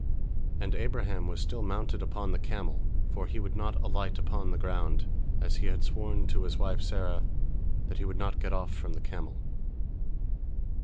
And Abraham was still mounted upon the camel, for he would not alight upon the ground, as he had sworn to his wife Sarah that he would not get off from the camel.